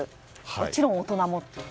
もちろん大人もという。